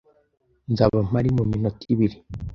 Nzaba mpari muminota ibiri